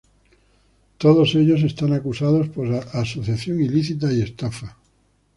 Todos ellos están acusados por asociación ilícita y estafa.